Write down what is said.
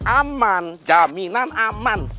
aman jaminan aman